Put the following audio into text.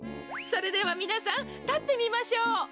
それではみなさんたってみましょう。